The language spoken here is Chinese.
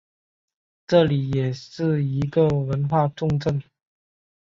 这里也是一个文化重镇。